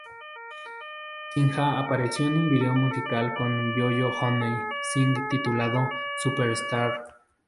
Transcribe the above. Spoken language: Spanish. Sinha apareció en un video musical con Yo Yo Honey Singh titulado "Superstar".